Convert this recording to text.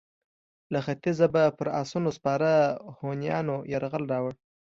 له ختیځه به پر اسونو سپاره هونیانو یرغل راووړ.